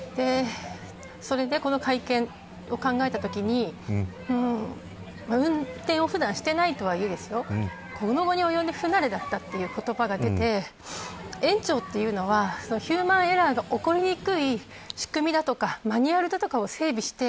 それでこの会見を考えたときに運転を普段していないとはいえこの期に及んで不慣れだったという言葉が出て園長というのはヒューマンエラーが起こりにくい仕組みやマニュアルを整備して